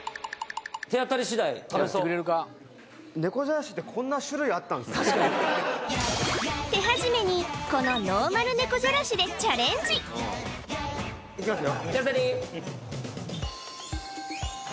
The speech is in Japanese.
手当たり次第確かに手始めにこのノーマル猫じゃらしでチャレンジいきますよ